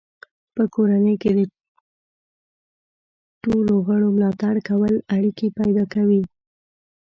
په کورنۍ کې د ټولو غړو ملاتړ کول اړیکې بډای کوي.